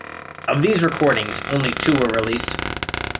Of these recordings, only two were released.